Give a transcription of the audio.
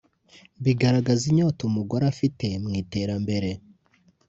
bigaragaza inyota umugore afite mu iterambere